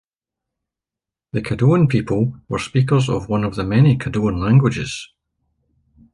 The Caddoan people were speakers of one of the many Caddoan languages.